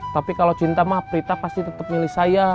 tapi kalau cinta mah prita pasti tetap milih saya